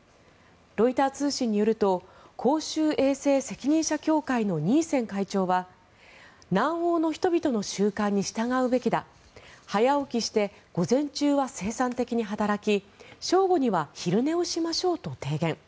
ロイター通信によると公衆衛生責任者協会のニーセン会長は南欧の人々の習慣に従うべきだ早起きして午前中は生産的に働き正午には昼寝をしましょうと提言。